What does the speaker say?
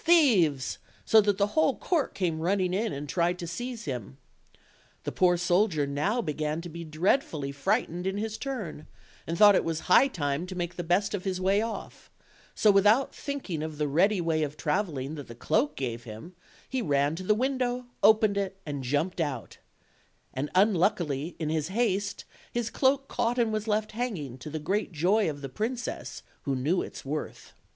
thieves!" so that the whole court came running in and tried to seize him. The poor soldier now began to be dreadfully frightened in his turn, and thought it was high time to make the best of his way off; so without thinking of the ready way of traveling that his cloak gave him, he ran to the win dow, opened it, and jumped out; and unluckily in his haste his cloak caught and was left hanging, to the great joy of the princess, who knew its worth.